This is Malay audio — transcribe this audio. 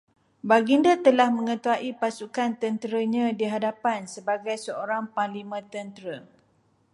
Baginda telah mengetuai pasukan tenteranya di hadapan, sebagai seorang panglima tentera